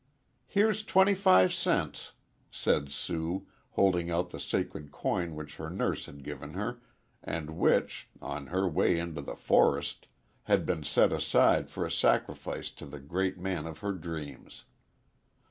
"Here's twenty five cents," said Sue, holding out the sacred coin which her nurse had given her, and which, on her way into the forest, had been set aside for a sacrifice to the great man of her dreams.